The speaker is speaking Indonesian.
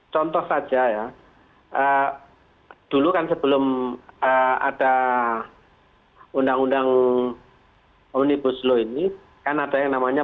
contoh saja ya dulu kan sebelum ada undang undang omnibus law ini kan ada yang namanya